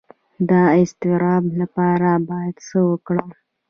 د اضطراب لپاره باید څه وکړم؟